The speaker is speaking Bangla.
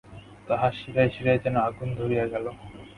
তাহার শিরায় শিরায় যেন আগুন ধরিয়া গেল।